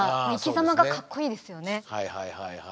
はいはいはいはい。